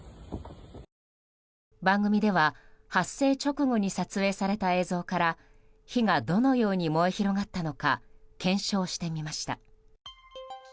番組では発生直後に撮影された映像から火がどのように燃え広がったのか検証してみました。